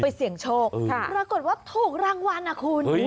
เสี่ยงโชคปรากฏว่าถูกรางวัลนะคุณ